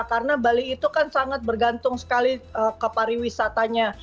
karena bali itu kan sangat bergantung sekali ke pariwisatanya